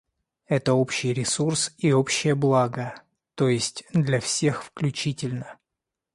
Это общий ресурс и общее благо, т.е. для всех включительно.